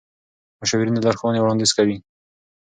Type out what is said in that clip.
مشاورین د لارښوونې وړاندیز کوي.